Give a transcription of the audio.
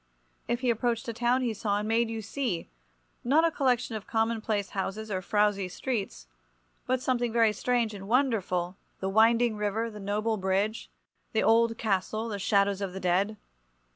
If he approached a town he saw and made you see—not a collection of commonplace houses or frowsy streets, but something very strange and wonderful, the winding river, the noble bridge, the old castle, the shadows of the dead.